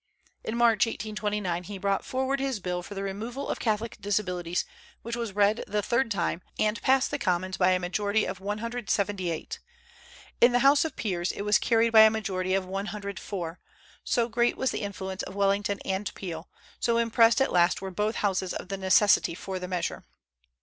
In March, 1829, he brought forward his bill for the removal of Catholic disabilities, which was read the third time, and passed the Commons by a majority of 178. In the House of Peers, it was carried by a majority of 104, so great was the influence of Wellington and Peel, so impressed at last were both Houses of the necessity for the measure.